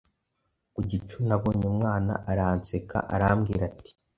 Ku gicu nabonye Umwana Aranseka arambwira ati: